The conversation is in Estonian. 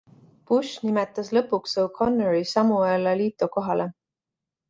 Bush nimetas lõpuks O'Connori Samuel Alito kohale.